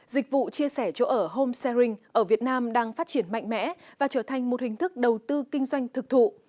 dịch vụ chia sẻ chỗ ở home sharing ở việt nam đang phát triển mạnh mẽ và trở thành một hình thức đầu tư kinh doanh thực thụ